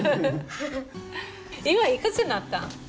今いくつになった？